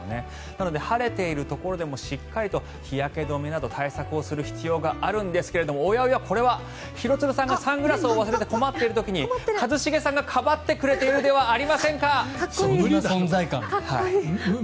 なので晴れているところでもしっかりと日焼け止めなど対策をする必要があるんですが廣津留さんがサングラスを忘れて困っている時に一茂さんがかばってくれているでは存在感。